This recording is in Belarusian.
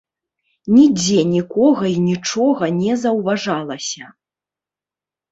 Нідзе нікога і нічога не заўважалася.